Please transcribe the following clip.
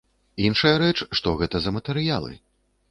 Іншая рэч, што гэта за матэрыялы.